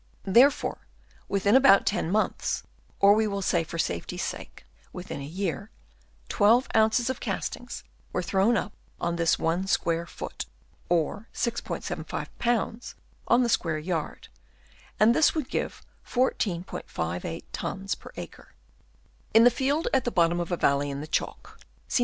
Therefore within about ten months, or we will say for safety's sake within a year, 12 oz. of castings were thrown up on this one square foot, or 6*75 pounds on the square yard; and this would give 14*58 tons per acre. In a field at the bottom of a valley in the chalk (see No.